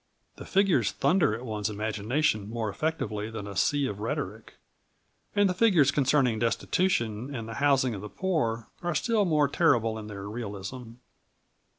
The figures thunder at one's imagination more effectively than a sea of rhetoric. And the figures concerning destitution and the housing of the poor are still more terrible in their realism.